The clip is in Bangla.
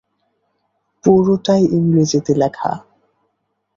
পুরোটাই ইংরেজিতে লেখা।